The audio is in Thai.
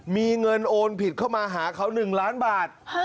มีเงินโอนผิดเข้ามาหาเขา๑ล้านบาท